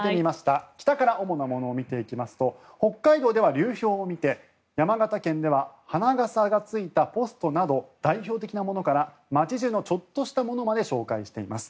北から主なものを見ていきますと北海道では流氷を見て山形県では花笠がついたポストなど代表的なものから街中のちょっとしたものまで紹介しています。